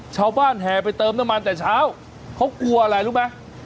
แห่ไปเติมน้ำมันแต่เช้าเขากลัวอะไรรู้ไหม